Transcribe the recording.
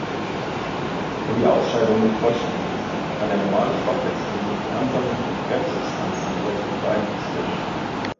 Wenn die Ausscheidung nicht vollständig ist, kann der normale Stoffwechsel durch die Ansammlung von Fremdsubstanzen negativ beeinflusst werden.